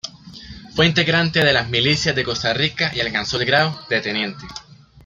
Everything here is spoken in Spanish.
Fue integrante de las milicias de Costa Rica y alcanzó el grado de teniente.